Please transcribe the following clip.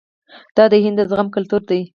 دا د هند د زغم کلتور دی.